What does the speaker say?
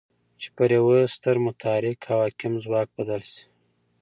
چې پر يوه ستر متحرک او حاکم ځواک بدل شي.